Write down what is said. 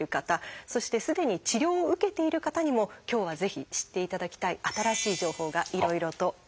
そしてすでに治療を受けている方にも今日はぜひ知っていただきたい新しい情報がいろいろとあるんです。